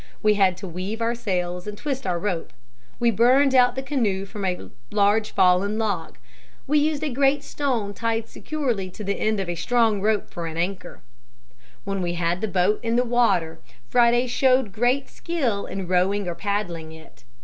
We had to weave our sails and twist our rope. We burned out the canoe from a large fallen log. We used a great stone tied securely to the end of a strong rope for an anchor. [Illustration: ROBINSON AND FRIDAY SAILING THE BOAT] "When we had the boat in the water, Friday showed great skill in rowing or paddling it.